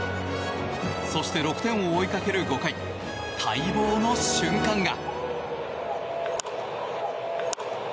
そして、６点を追いかける５回待望の瞬間が。